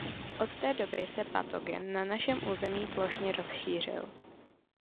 Od té doby se patogen na našem území plošně rozšířil.